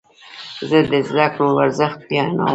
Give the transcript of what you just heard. زه د زده کړې ارزښت بیانوم.